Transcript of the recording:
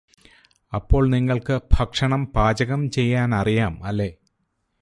അപ്പോൾ നിങ്ങൾക്ക് ഭക്ഷണം പാചകം ചെയ്യാനറിയാം അല്ലേ